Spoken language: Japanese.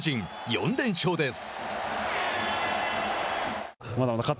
４連勝です。